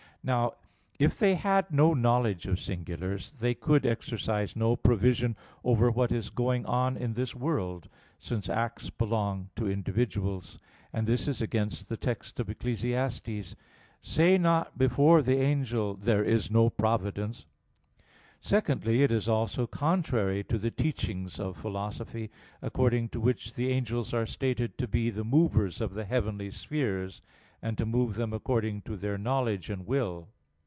Now, if they had no knowledge of singulars, they could exercise no provision over what is going on in this world; since acts belong to individuals: and this is against the text of Eccles. 5:5: "Say not before the angel: There is no providence." Secondly, it is also contrary to the teachings of philosophy, according to which the angels are stated to be the movers of the heavenly spheres, and to move them according to their knowledge and will.